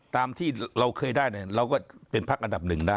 ถ้าเราถ้าได้๑๑๒เป็นภาคอันดับหนึ่งเนี่ย